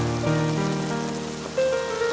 mbak nelurce juga baik